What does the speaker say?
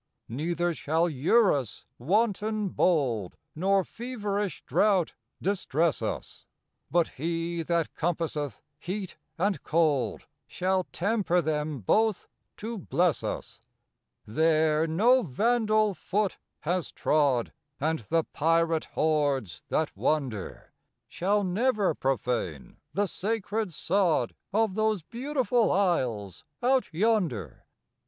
Neither shall Eurus, wanton bold, Nor feverish drought distress us, But he that compasseth heat and cold Shall temper them both to bless us. There no vandal foot has trod, And the pirate hordes that wander Shall never profane the sacred sod Of those beautiful isles out yonder.